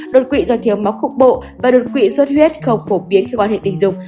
đột quỵ do thiếu máu cục bộ và đột quỵ suất huyết không phổ biến khi quan hệ tình dục